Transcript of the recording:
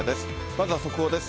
まずは速報です。